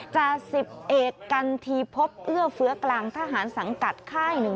จาก๑๐เอกกันทีพบเอื้อเฟื้อกลางทหารสังกัดค่าย๑